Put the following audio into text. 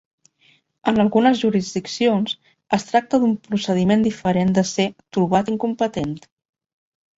En algunes jurisdiccions, es tracta d'un procediment diferent de ser "trobat incompetent".